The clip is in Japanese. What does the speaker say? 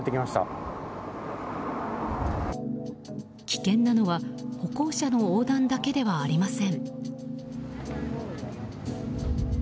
危険なのは歩行者の横断だけではありません。